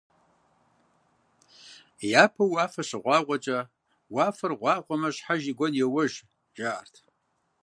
Япэу уафэ щыгъуагъуэкӀэ, «Уафэр гъуагъуэмэ, щхьэж и гуэн йоуэж» жаӀэрт.